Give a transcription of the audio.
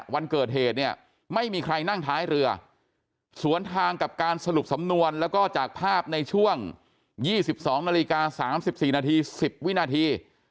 วันเกิดเหตุเนี่ยไม่มีใครนั่งท้ายเรือสวนทางกับการสรุปสำนวนแล้วก็จากภาพในช่วง๒๒นาฬิกา๓๔นาที๑๐วินาที